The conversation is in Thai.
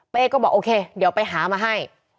ก็บอกโอเคเดี๋ยวไปหามาให้